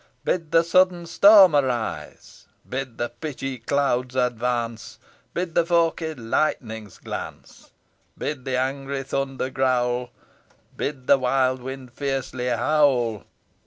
Bid the sudden storm arise. Bid the pitchy clouds advance, Bid the forked lightnings glance, Bid the angry thunder growl, Bid the wild wind fiercely howl!